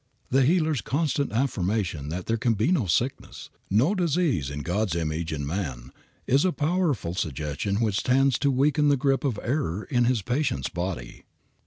The healer's constant affirmation that there can be no sickness, no disease in God's image in man, is a powerful suggestion which tends to weaken the grip of error in his patient's body.